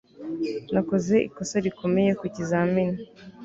nakoze ikosa rikomeye ku kizamini